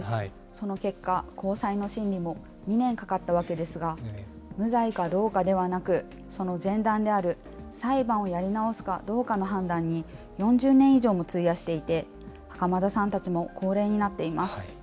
その結果、高裁の審理も２年かかったわけですが、無罪かどうかではなく、その前段である裁判をやり直すかどうかの判断に、４０年以上も費やしていて、袴田さんたちも高齢になっています。